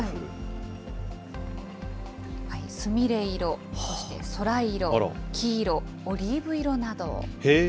すみれ色、そして空色、黄色、オリーブ色など。